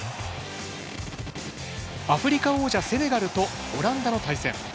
アフリカ王者セネガルとオランダの対戦。